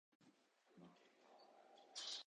群馬県玉村町